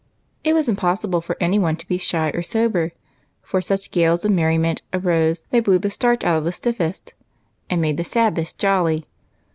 It was impossible for any one to be shy or sober, for such gales of merriment arose they blew the starch out of the stiffest, and made the saddest jolly.